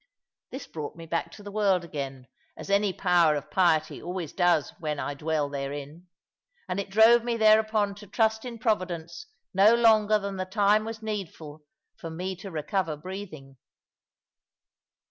This brought me back to the world again, as any power of piety always does when I dwell therein, and it drove me thereupon to trust in Providence no longer than the time was needful for me to recover breathing.